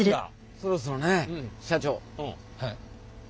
そろそろね社長